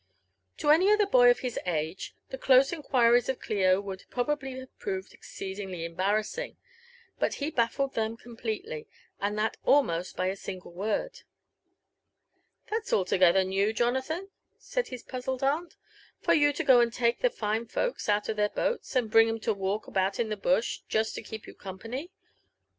To any other boy of his age, the close inquiries of Clio would pro bably have proved exceedingly embarrassing ; but he baffled them com pletely, and that almost by a single word. " Thai's altogether new, Jonathan," said his puzzled aunt, "for you to go and take the fine folks out of the boats, and bring 'em to walk about in the bush, just to keep you company.